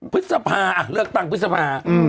พฤษภาเลือกตั้งพฤษภา